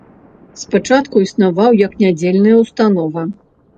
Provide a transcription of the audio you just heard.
Спачатку існаваў як нядзельная ўстанова.